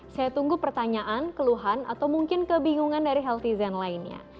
saya tunggu pertanyaan keluhan atau mungkin kebingungan dari healthy zen lainnya